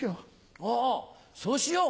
ああそうしよう。